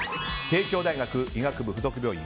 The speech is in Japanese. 帝京大学医学部附属病院